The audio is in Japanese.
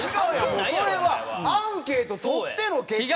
もうそれはアンケート取っての結果やから。